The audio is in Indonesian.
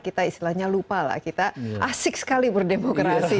kita istilahnya lupa lah kita asik sekali berdemokrasi